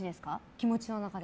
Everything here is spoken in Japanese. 気持ちの中で。